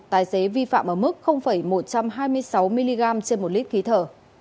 tài xế vi phạm ở mức một trăm hai mươi sáu mg trên một lít khí thở